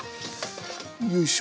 よいしょ。